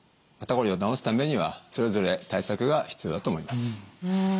肩こりを治すためにはそれぞれ対策が必要だと思います。